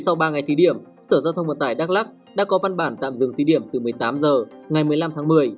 sở giao thông vận tải đắk lắc đã có văn bản tạm dừng tí điểm từ một mươi tám h ngày một mươi năm tháng một mươi